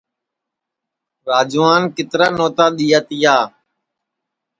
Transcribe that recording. راجوان کِترا نوتا دؔیا تیا